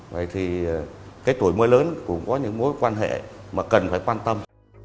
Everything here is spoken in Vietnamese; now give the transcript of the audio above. vậy thì cái tuổi mưa lớn cũng có những mối quan hệ mà cần phải quan tâm